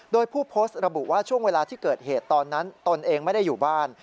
โดยผู้โพสต์ระบุว่าช่วงเวลาที่เกิดเหตุตอนนั้นตนเองไม่ได้อยู่บ้าน